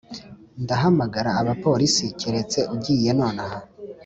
ndahamagara abapolisi keretse ugiye nonaha.